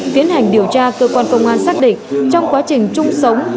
tiến hành điều tra cơ quan công an xác định trong quá trình chung sống